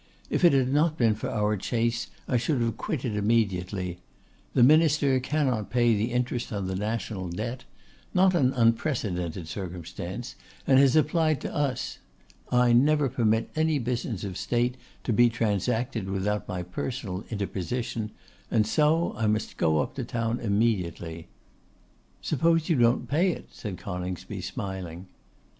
If it had not been for our chase, I should have quitted immediately. The minister cannot pay the interest on the national debt; not an unprecedented circumstance, and has applied to us. I never permit any business of State to be transacted without my personal interposition; and so I must go up to town immediately.' 'Suppose you don't pay it,' said Coningsby, smiling.